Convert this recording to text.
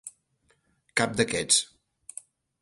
Cap d'aquests.